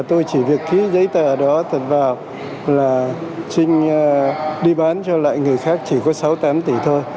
tôi chỉ việc ký giấy tờ đó thật vào là trinh đi bán cho lại người khác chỉ có sáu tám tỷ thôi